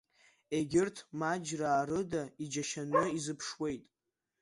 Егьырҭ, маџьраа рыда, иџьашьаны изыԥшуеит.